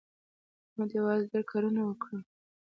احمد یوازې ډېر کارونه وکړل.